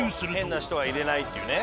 変な人は入れないっていうね。